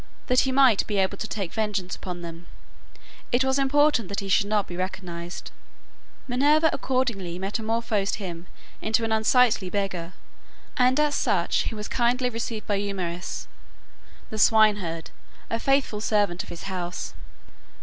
That he might be able to take vengeance upon them, it was important that he should not be recognized. Minerva accordingly metamorphosed him into an unsightly beggar, and as such he was kindly received by Eumaeus, the swine herd, a faithful servant of his house.